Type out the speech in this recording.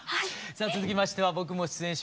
さあ続きましては僕も出演します